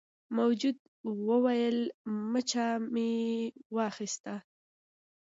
موجود وویل مچه مې واخیسته.